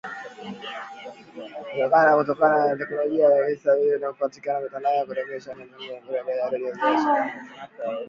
kutokana na kukua kwa teknolojia hivi sasa tunatangaza kupitia mitambo ya urekebishaji wa mzunguko kupitia redio zetu shirika za kanda ya Afrika Mashariki na Kati.